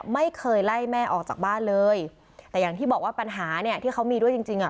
ไม่เคยไล่แม่ออกจากบ้านเลยแต่อย่างที่บอกว่าปัญหาเนี้ยที่เขามีด้วยจริงจริงอ่ะ